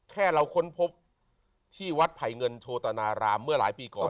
แค่เราค้นพบที่วัดไผ่เงินโชตนารามเมื่อหลายปีก่อน